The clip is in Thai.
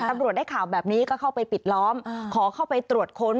ตำรวจได้ข่าวแบบนี้ก็เข้าไปปิดล้อมขอเข้าไปตรวจค้น